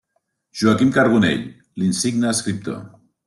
Joaquim Carbonell, l’insigne escriptor.